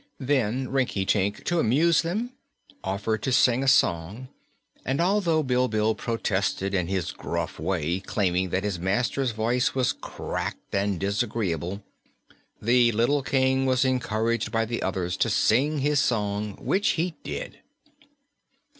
Then Rinkitink, to amuse them, offered to sing a song, and although Bilbil protested in his gruff way, claiming that his master's voice was cracked and disagreeable, the little King was encouraged by the others to sing his song, which he did.